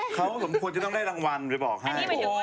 เขาสมควรจะต้องได้รางวัลไปบอกให้